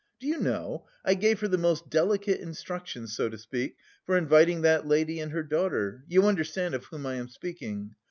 "Do you know, I gave her the most delicate instructions, so to speak, for inviting that lady and her daughter, you understand of whom I am speaking?